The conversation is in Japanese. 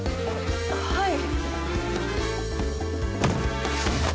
はい。